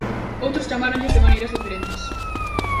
Outros chamáronlles de maneiras diferentes.